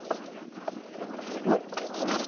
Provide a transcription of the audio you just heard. これも具になるという。